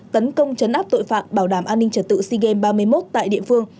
tấn công chấn áp tội phạm bảo đảm an ninh trật tự sea games ba mươi một tại địa phương